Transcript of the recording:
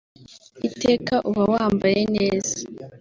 iteka uba wambaye neza